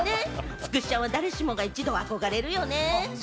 つくしちゃんは誰しもが一度は憧れるよね。